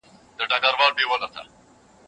د وخت ضايع کول انسان وروسته خفه کوی.